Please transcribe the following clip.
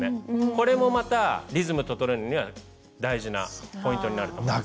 これもまたリズム整えるのには大事なポイントになると思います。